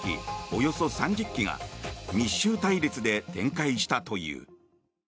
およそ３０機が密集隊列で展開したという。